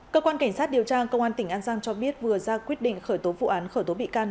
cơ quan cảnh sát điều tra công an tỉnh an giang cho biết vừa ra quyết định khởi tố vụ án khởi tố bị can